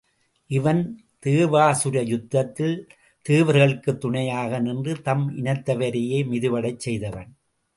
இவன் தேவாசுரயுத்தத்தில் தேவர்களுக்குத் துணையாக நின்று தம் இனத்தவரையே மிதிபடச் செய்தவன்.